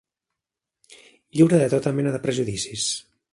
Lliure de tota mena de prejudicis.